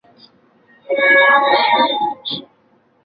这个音标系统是由提比哩亚的马所拉学士发展成的。